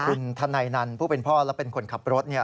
คุณธนัยนันผู้เป็นพ่อและเป็นคนขับรถ